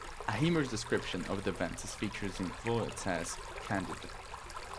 A humorous description of the events is featured in Voltaire's "Candide".